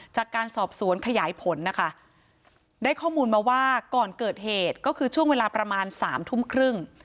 จากการสอบสวนขยายผลนะคะได้ข้อมูลมาว่าก่อนเกิดเหตุก็คือช่วงเวลาประมาณสามทุ่มครึ่ง